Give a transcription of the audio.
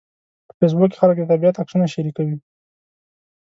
په فېسبوک کې خلک د طبیعت عکسونه شریکوي